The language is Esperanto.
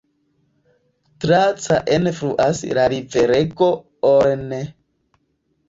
Tra Caen fluas la riverego Orne.